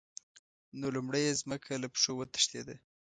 نو لومړی یې ځمکه له پښو وتښتېده.